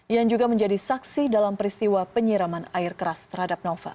yang juga menjadi saksi dalam peristiwa penyiraman air keras terhadap novel